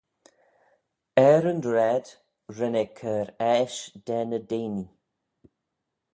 Er yn raad ren eh cur aash da ny deinee.